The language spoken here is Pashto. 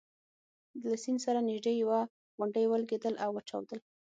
له سیند سره نژدې یوه توغندۍ ولګېدل او وچاودل.